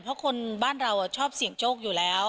เพราะคนบ้านเราชอบเสี่ยงโชคอยู่แล้ว